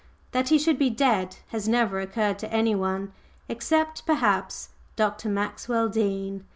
That he should be dead has never occurred to anyone, except perhaps Dr. Maxwell Dean.